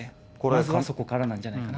まずはそこからなんじゃないかなと。